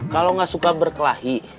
kalau gak suka berkelahi